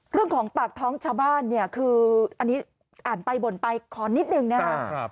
เรื่องของปากท้องชาวบ้านเนี่ยคืออันนี้อ่านไปบ่นไปขอนิดนึงนะครับ